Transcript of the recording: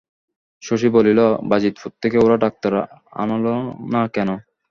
শশী বলিল, বাজিতপুর থেকে ওরা ডাক্তার আনাল না কেন।